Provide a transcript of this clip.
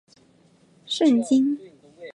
圣经记载扫罗最后死在和非利士人的战争中。